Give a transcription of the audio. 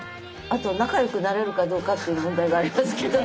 あと仲良くなれるかどうかっていう問題がありますけど。